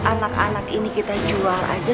anak anak ini kita jual aja